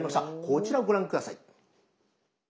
こちらをご覧下さい。